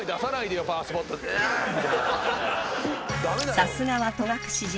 ［さすがは戸隠神社］